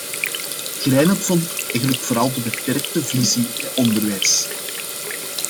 Schrijnend vond ik eigenlijk vooral de beperkte visie bij onderwijs.